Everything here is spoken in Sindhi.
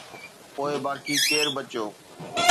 پوءِ باقي ڪير بچيو؟